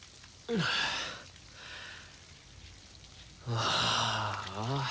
ああ。